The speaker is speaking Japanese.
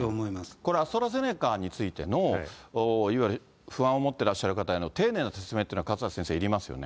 これ、アストラゼネカについての、いわゆる不安を持ってらっしゃる方への丁寧な説明というのは、勝田先生、いりますよね。